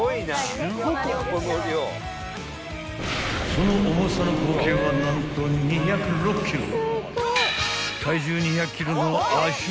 ［その重さの合計は何と２０６ｋｇ］